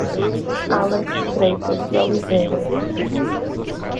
Alex Freitas de Oliveira